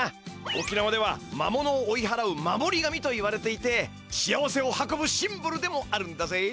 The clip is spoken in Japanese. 沖縄ではまものを追いはらう守り神といわれていて幸せを運ぶシンボルでもあるんだぜ。